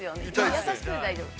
優しくて大丈夫。